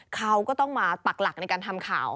เขาก็ต้องมาปักหลักในการทำข่าว